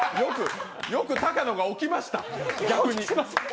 よく高野が起きました、逆に。